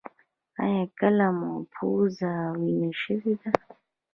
ایا کله مو پوزه وینې شوې ده؟